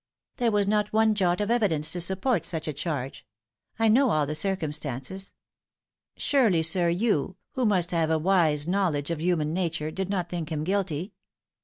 There was not one jot of evidence to support such a charge. I know all the circumstances. Surely, sir, you, who must have a wide knowledge of human nature, did not think him guilty